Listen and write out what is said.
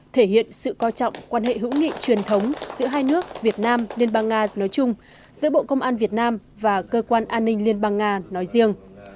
thể hiện sự coi trọng quan hệ hữu nghị truyền thống giữa hai nước việt nam liên bang nga nói chung giữa bộ công an việt nam và cơ quan an ninh liên bang nga nói riêng